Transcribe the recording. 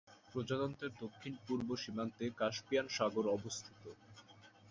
প্রজাতন্ত্রের দক্ষিণ-পূর্ব সীমান্তে কাস্পিয়ান সাগর অবস্থিত।